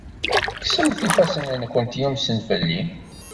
Kksemt ifassen-nwent yumsen fell-i!